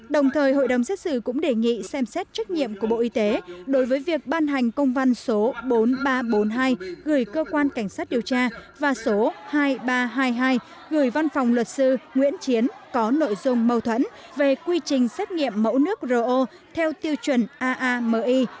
đồng thời hội đồng xét xử cũng đề nghị xem xét trách nhiệm của bộ y tế đối với việc ban hành công văn số bốn nghìn ba trăm bốn mươi hai gửi cơ quan cảnh sát điều tra và số hai nghìn ba trăm hai mươi hai gửi văn phòng luật sư nguyễn chiến có nội dung mâu thuẫn về quy trình xét nghiệm mẫu nước ro theo tiêu chuẩn aami